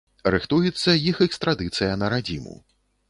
Рыхтуецца іх экстрадыцыя на радзіму.